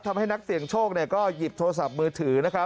ทำให้นักเสี่ยงโชคก็หยิบโทรศัพท์มือถือนะครับ